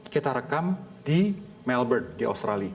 kita rekam di melbourne di australia